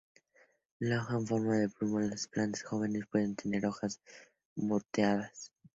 La hoja en forma de pluma, las plantas jóvenes pueden tener hojas moteadas.